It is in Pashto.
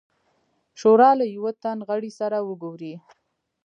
شورا له یوه تن غړي سره وګوري.